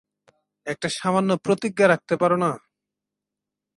একটা সামান্য প্রতিজ্ঞা রাখিতে পার না।